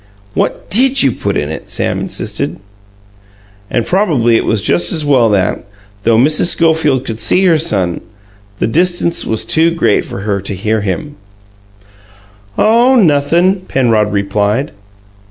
"What DID you put in it?" Sam insisted. And probably it was just as well that, though Mrs. Schofield could see her son, the distance was too great for her to hear him. "Oh, nothin'," Penrod replied.